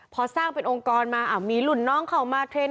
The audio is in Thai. พอสร้างเป็นองค์กรมามีรุ่นน้องเข้ามาเทรนด